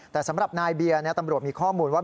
แต่สำหรับนายเบียร์ตำรวจมีข้อมูลว่า